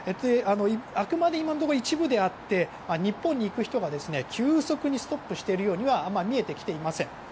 あくまで今のところ一部であって日本に行く人が急速にストップしているようにはあまり見えてきていません。